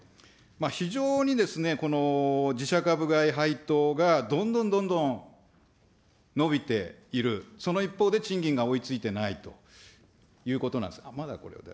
非常に自社株買い、配当がどんどんどんどん伸びている、その一方で賃金が追いついていないということなんです。